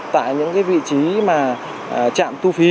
tại những cái vị trí mà